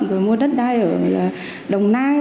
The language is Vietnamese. rồi mua đất đai ở đồng nai